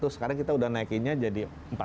sekarang kita udah naikinnya jadi empat